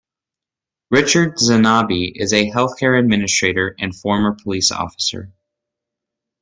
Richard Zanibbi is a health-care administrator and former police officer.